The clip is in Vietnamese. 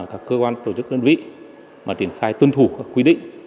các cơ quan tổ chức đơn vị mà triển khai tuân thủ các quy định